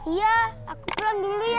iya aku pulang dulu ya